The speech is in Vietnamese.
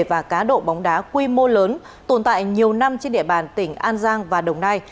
và cá độ bóng đá quy mô lớn tồn tại nhiều năm trên địa bàn tỉnh an giang và đồng nai